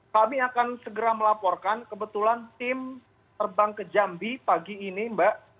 kami akan segera melaporkan kebetulan tim terbang ke jambi pagi ini mbak